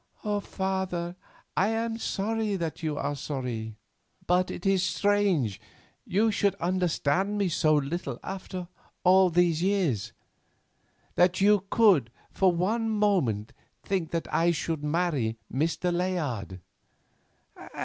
"Father, I am sorry that you are sorry, but it is strange you should understand me so little after all these years, that you could for one moment think that I should marry Mr. Layard."